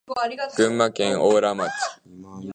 群馬県邑楽町